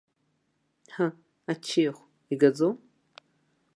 Ҳы, аччиахә игаӡом?!